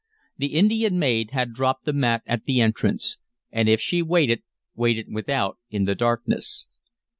The Indian maid had dropped the mat at the entrance, and if she waited, waited without in the darkness.